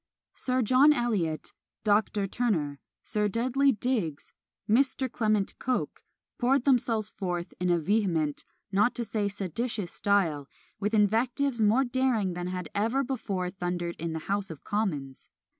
Sir John Eliot, Dr. Turner, Sir Dudley Digges, Mr. Clement Coke, poured themselves forth in a vehement, not to say seditious style, with invectives more daring than had ever before thundered in the House of Commons!